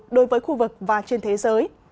đối với khu vực và trên thế giới